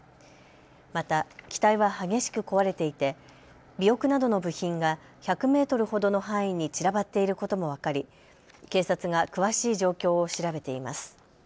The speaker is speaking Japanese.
また、機体は激しく壊れていて尾翼などの部品が１００メートルほどの範囲に散らばっていることも分かり警察が詳しい状況を調べています。